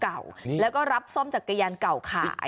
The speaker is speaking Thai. เก่าแล้วก็รับซ่อมจักรยานเก่าขาย